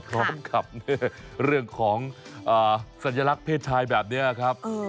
พร้อมกับเรื่องของสัญลักษณ์เพศชายแบบนี้ครับ